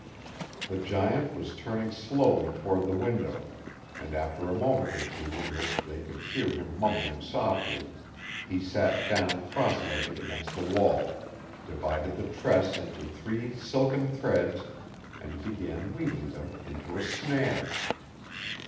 The giant was turning slowly toward the window, and after a moment or two in which they could hear him mumbling softly he sat down cross legged against the wall, divided the tress into three silken threads and began weaving them into a snare.